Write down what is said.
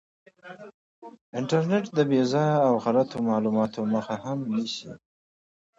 انټرنیټ د بې ځایه او غلطو معلوماتو مخه هم نیسي.